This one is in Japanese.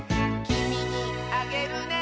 「きみにあげるね」